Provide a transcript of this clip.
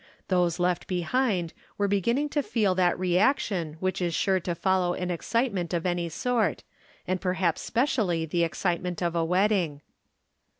Those left behind were be ginning to feel that reaction which is sure to fol low an excitement of any sort, and perhaps spec ially the excitement of a wedding.